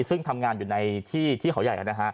ซึ่งทำงานอยู่ในที่เขาใหญ่